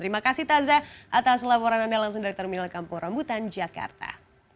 terima kasih taza atas laporan anda langsung dari terminal kampung rambutan jakarta